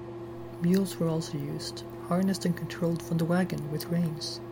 Mules were also used, harnessed and controlled from the wagon with reins.